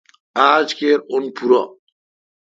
آج کیر اؙن پورہ۔